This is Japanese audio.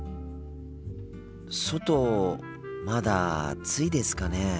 外まだ暑いですかね。